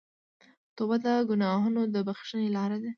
توبه د ګناهونو د بخښنې لاره ده.